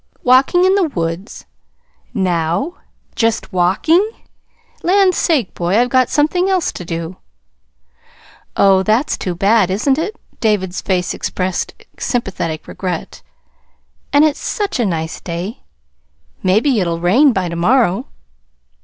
"Walking in the woods, NOW JUST WALKING? Land's sake, boy, I've got something else to do!" "Oh, that's too bad, isn't it?" David's face expressed sympathetic regret. "And it's such a nice day! Maybe it'll rain by tomorrow."